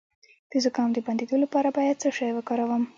د زکام د بندیدو لپاره باید څه شی وکاروم؟